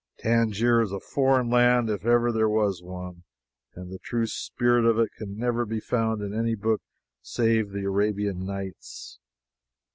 Tangier is a foreign land if ever there was one, and the true spirit of it can never be found in any book save The Arabian Nights.